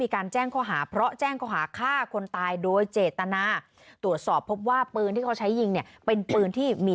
การแจ้งข้อหาเพราะแจ้งเขาหาฆ่าคนตายโดยเจตนาตรวจสอบพบว่าปืนที่เขาใช้ยิงเนี่ยเป็นปืนที่มี